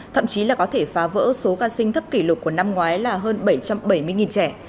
thậm chí là có thể phá vỡ số ca sinh thấp kỷ lục của năm ngoái là hơn bảy trăm bảy mươi trẻ